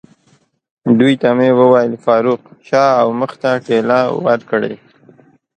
دوی ته مې وویل: فاروق، شا او مخ ته ټېله ورکړئ.